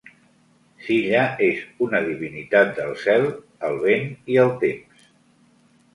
Silla és una divinitat del cel, el vent i el temps.